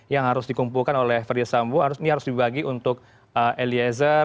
yang harus dikumpulkan oleh ferdis sambo ini harus dibagi untuk eliezer